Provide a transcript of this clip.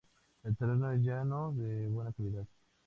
El terreno es llano de buena calidad.